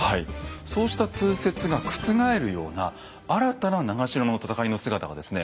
そうした通説が覆るような新たな長篠の戦いの姿がですね